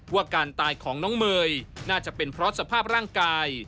ว่าการตายของน้องเมย์น่าจะเป็นเพราะสภาพร่างกาย